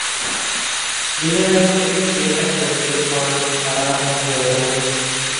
ޑިނަރ ނައިޓެއް ކޭޓަރ ކޮށްދެއްވާނޭ ފަރާތެއް ހޯދުމަށް